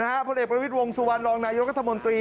นะฮะผลเอกประวิจภัณฑ์วงสุวรรณรองแนวยุโรครัฐมนตรี